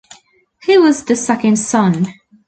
He was the second son.